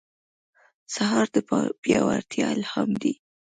سهار د پیاوړتیا الهام دی.